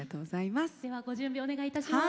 ではご準備お願いいたします。